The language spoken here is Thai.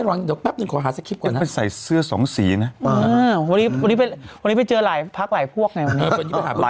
เราขอสิกนิดนึงได้ไหมฮะ